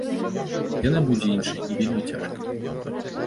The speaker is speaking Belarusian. Яна будзе іншай, і вельмі цяжкай.